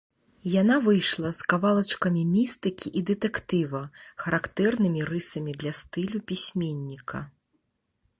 Яна выйшла з кавалачкамі містыкі і дэтэктыва, характэрнымі рысамі для стылю пісьменніка.